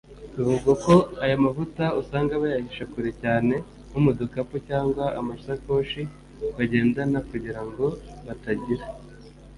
Bivugwa ko aya mavuta usanga bayahisha kure cyane nko mu dukapu cyangwa amashakoshi bagendana kugira ngo hatagira abayabona